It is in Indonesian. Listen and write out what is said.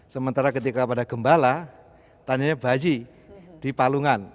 sementara ketika pada gembala tanyanya bayi di palungan